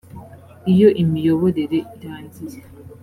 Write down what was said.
iyo imiyoborere irangiye